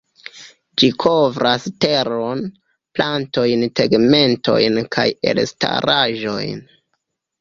Ĝi kovras teron, plantojn, tegmentojn kaj elstaraĵojn.